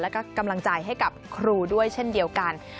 แล้วก็กำลังใจให้กับครูด้วยเช่นเดียวกัน